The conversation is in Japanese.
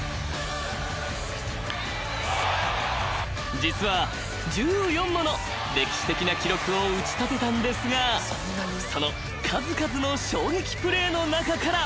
［実は１４もの歴史的な記録を打ち立てたんですがその数々の衝撃プレーの中から］